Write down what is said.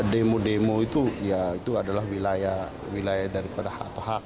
demo demo itu adalah wilayah daripada hak hak